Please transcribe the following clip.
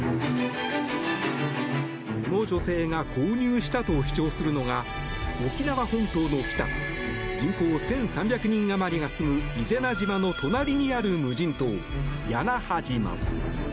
この女性が購入したと主張するのが沖縄本島の北人口１３００人あまりが住む伊是名島の隣にある無人島屋那覇島。